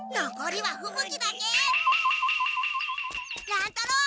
乱太郎！